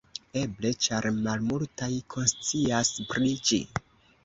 Eble ĉar malmultaj konscias pri ĝi?